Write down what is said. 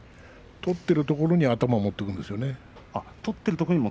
取ってるところに頭を持っていくんですね。